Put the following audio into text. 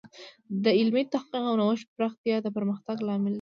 د علمي تحقیق او نوښت پراختیا د پرمختګ لامل دی.